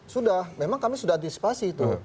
sudah memang kami sudah antisipasi itu